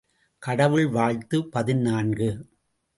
கடவுள் வாழ்த்து பதினான்கு .